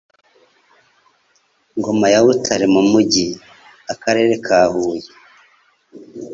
Ngoma ya Butare mu mujyi (Akarere ka Huye)